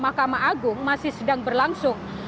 mahkamah agung masih sedang berlangsung